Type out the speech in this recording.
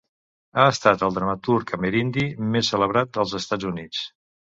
Ha estat el dramaturg amerindi més celebrat als Estats Units.